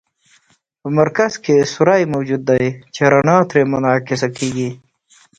په مرکز کې سوری موجود دی چې رڼا ترې منعکسه کیږي.